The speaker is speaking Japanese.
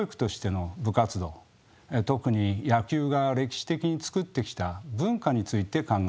特に野球が歴史的に作ってきた文化について考え